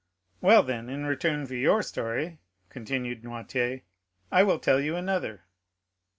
"Well, then, in return for your story," continued Noirtier, "I will tell you another."